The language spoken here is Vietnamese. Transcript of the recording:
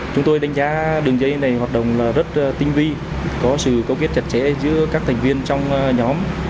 chúng tôi đánh giá đường dây này hoạt động rất tinh vi có sự cấu kết chặt chẽ giữa các thành viên trong nhóm